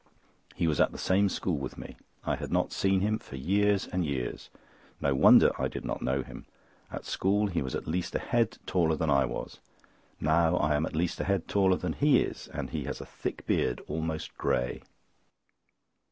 He was at the same school with me. I had not seen him for years and years. No wonder I did not know him! At school he was at least a head taller than I was; now I am at least a head taller than he is, and he has a thick beard, almost grey.